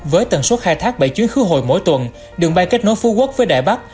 với tần suất khai thác bảy chuyến khứ hồi mỗi tuần đường bay kết nối phú quốc với đài bắc